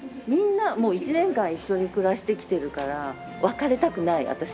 みんな１年間一緒に暮らしてきてるから別れたくない私